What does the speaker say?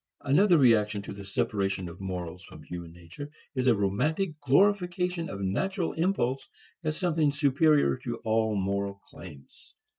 Another reaction to the separation of morals from human nature is a romantic glorification of natural impulse as something superior to all moral claims.